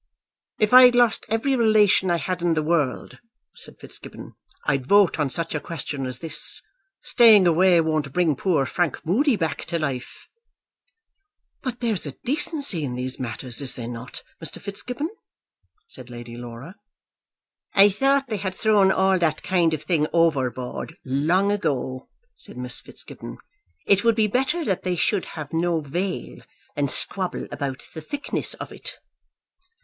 "If I'd lost every relation I had in the world," said Fitzgibbon, "I'd vote on such a question as this. Staying away won't bring poor Frank Moody back to life." "But there's a decency in these matters, is there not, Mr. Fitzgibbon?" said Lady Laura. "I thought they had thrown all that kind of thing overboard long ago," said Miss Fitzgibbon. "It would be better that they should have no veil, than squabble about the thickness of it."